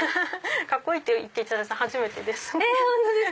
カッコいいって言っていただいたの初めてです。